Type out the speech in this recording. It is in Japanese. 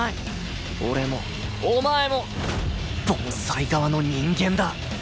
俺もお前も凡才側の人間だ。